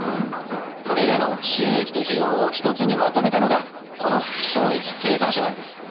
これらの収益と費用を１つにまとめたのがこの損益計算書なんです。